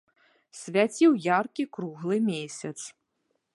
Свяціў яркі круглы месяц.